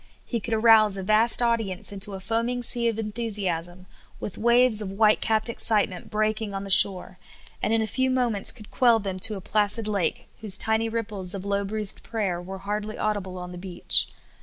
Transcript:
He could arouse a vast audience into a foaming sea of enthusiasm, with waves of white capped excitement breaking on the shore, and in a few moments could quell them to a placid lake, whose tiny ripples of low^ breathed prayer were hardly audible on the beach.